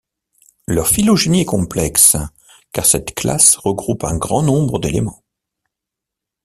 Leur phylogénie est complexe car cette classe regroupe un grand nombre d’éléments.